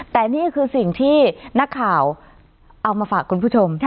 แต่นี่คือสิ่งที่นักข่าวเอามาฝากคุณผู้ชม